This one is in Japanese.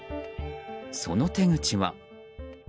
その手口は。